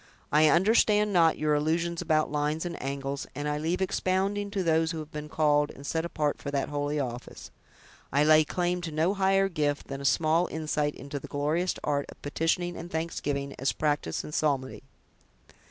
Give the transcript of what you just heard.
I understand not your allusions about lines and angles; and I leave expounding to those who have been called and set apart for that holy office. I lay claim to no higher gift than a small insight into the glorious art of petitioning and thanksgiving, as practiced in psalmody."